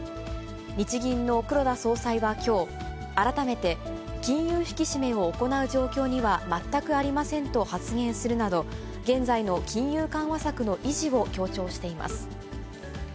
日銀の黒田総裁はきょう、改めて金融引き締めを行う状況には全くありませんと発言するなど、現在の金融緩和策の維持を強調しています。